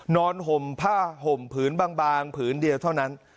ห่มผ้าห่มผืนบางผืนเดียวเท่านั้น